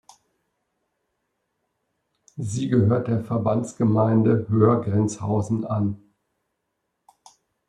Sie gehört der Verbandsgemeinde Höhr-Grenzhausen an.